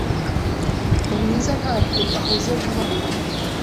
Nyamwiza ntabwo ahuze vuba aha.